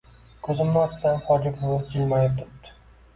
Ko‘zimni ochsam, Hoji buvi jilmayib turibdi.